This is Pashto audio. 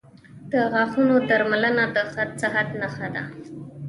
• د غاښونو درملنه د ښه صحت نښه ده.